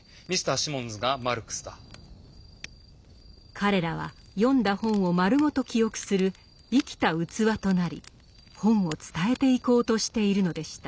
彼らは読んだ本を丸ごと記憶する生きた器となり本を伝えていこうとしているのでした。